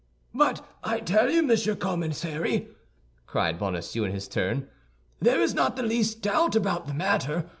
"But I tell you, Monsieur Commissary," cried Bonacieux, in his turn, "there is not the least doubt about the matter.